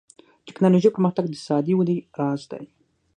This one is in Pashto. ټکنالوژي پرمختګ د اقتصادي ودې راز دی.